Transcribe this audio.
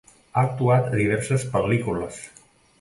Ha actuat a diverses pel·lícules.